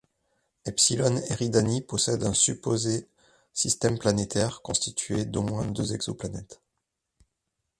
Epsilon Eridani possède un supposé système planétaire constitué d'au moins deux exoplanètes.